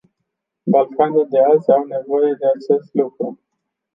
Balcanii de azi au nevoie de acest lucru.